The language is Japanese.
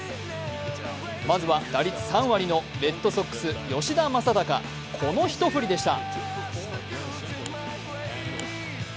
まずは打率３割のレッドソックス吉田正尚、この一振りでした。